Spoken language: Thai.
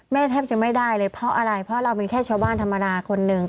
แทบจะไม่ได้เลยเพราะอะไรเพราะเราเป็นแค่ชาวบ้านธรรมดาคนหนึ่ง